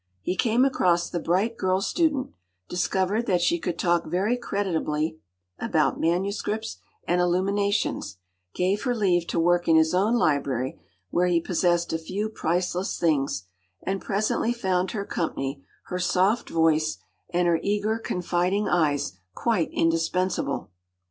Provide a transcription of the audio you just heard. He came across the bright girl student, discovered that she could talk very creditably about manuscripts and illuminations, gave her leave to work in his own library, where he possessed a few priceless things, and presently found her company, her soft voice, and her eager, confiding eyes quite indispensable.